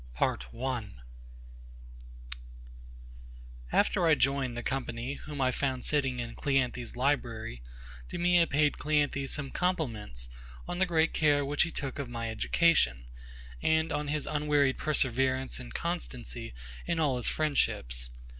PART 1 After I joined the company, whom I found sitting in CLEANTHES's library, DEMEA paid CLEANTHES some compliments on the great care which he took of my education, and on his unwearied perseverance and constancy in all his friendships.